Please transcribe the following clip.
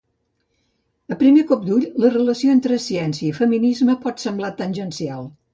A primer cop d’ull, la relació entre ciència i feminisme pot semblar tangencial.